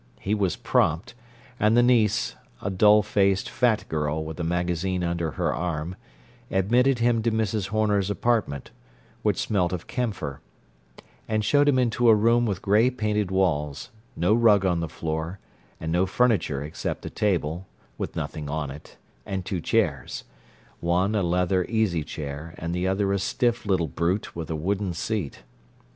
He was prompt, and the niece, a dull faced fat girl with a magazine under her arm, admitted him to Mrs. Horner's apartment, which smelt of camphor; and showed him into a room with gray painted walls, no rug on the floor and no furniture except a table (with nothing on it) and two chairs: one a leather easy chair and the other a stiff little brute with a wooden seat.